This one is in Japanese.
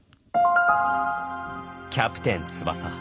キャプテン翼。